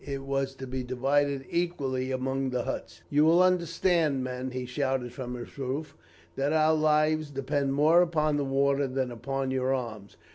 It was to be divided equally among all the huts. "'You will understand, men,' he shouted from his roof, 'that our lives depend more upon the water than upon your arms.